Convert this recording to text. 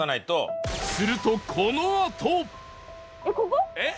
するとこのあと！